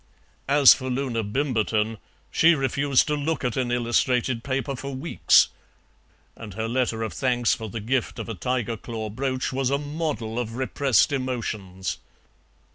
As for Loona Bimberton, she refused to look at an illustrated paper for weeks, and her letter of thanks for the gift of a tiger claw brooch was a model of repressed emotions.